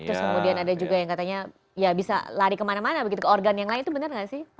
terus kemudian ada juga yang katanya ya bisa lari kemana mana begitu ke organ yang lain itu benar nggak sih